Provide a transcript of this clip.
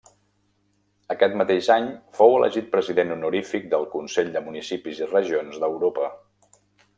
Aquest mateix any fou elegit president honorífic del Consell de Municipis i Regions d'Europa.